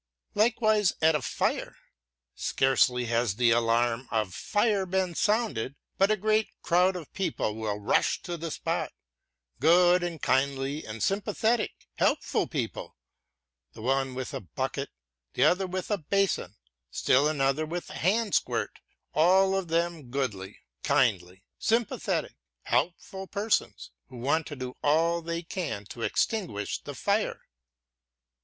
Likewise at a fire. Scarcely has the alarm of fire been sounded but a great crowd of people will rush to the spot, good and kindly and sympathetic, helpful people, the one with a bucket, the other with a basin, still another with a hand squirtŌĆöall of them goodly, kindly, sympathetic, helpful persons who want to do all they can to extinguish the fire.